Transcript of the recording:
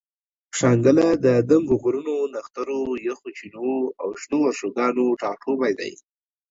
شانګله د دنګو غرونو، نخترو، یخو چینو او شنو ورشوګانو ټاټوبے دے